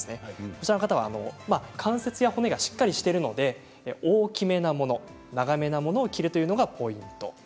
こちらの方は関節や骨がしっかりしているので大きめなものや長めのものを着るのがポイント。